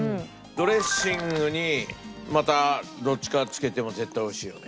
ドレッシングにまたどっちかつけても絶対美味しいよね